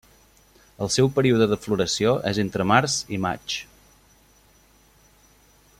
El seu període de floració és entre març i maig.